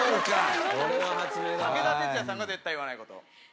「武田鉄矢さんが絶対言わないこと」